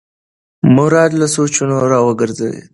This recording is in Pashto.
مراد له سوچونو راوګرځېد.